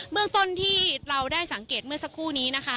เมืองต้นที่เราได้สังเกตเมื่อสักครู่นี้นะคะ